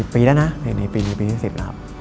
๑๐ปีแล้วนะในปีนี้ปี๒๐แล้วครับ